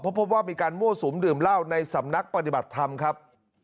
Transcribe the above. เพราะพบว่ามีการมั่วสุมดื่มเหล้าในสำนักปฏิบัติธรรมครับ